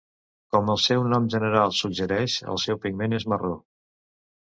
Com el seu nom general suggereix el seu pigment és marró.